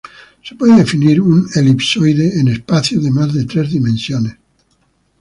Se puede definir un elipsoide en espacios de más de tres dimensiones.